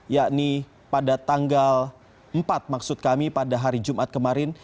yakni pada tanggal empat maksud kami pada hari jumat kemarin